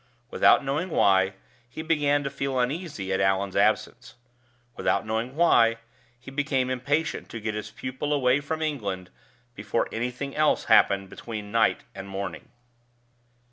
Without knowing why, he began to feel uneasy at Allan's absence. Without knowing why, he became impatient to get his pupil away from England before anything else happened between night and morning.